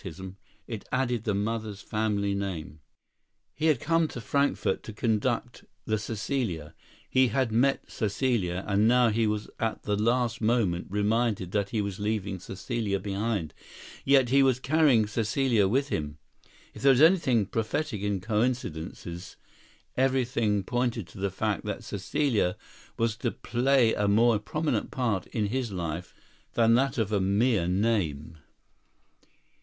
'" He had come to Frankfort to conduct the Caecilia; he had met Caecilia; and now he was at the last moment reminded that he was leaving Caecilia behind; yet he was carrying Caecilia with him. If there is anything prophetic in coincidences, everything pointed to the fact that Caecilia was to play a more prominent part in his life than that of a mere name.